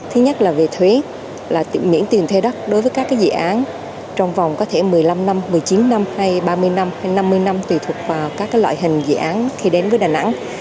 thứ nhất là về thuế là miễn tiền thuê đất đối với các dự án trong vòng có thể một mươi năm năm một mươi chín năm hay ba mươi năm hay năm mươi năm tùy thuộc vào các loại hình dự án khi đến với đà nẵng